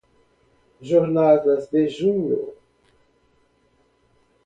Jornadas de junho